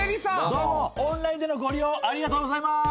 どうもオンラインでのご利用ありがとうございます。